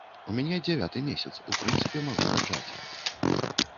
У мяне дзявяты месяц, у прынцыпе, магу раджаць.